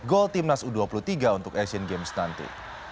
gol timnas u dua puluh tiga untuk asian games nanti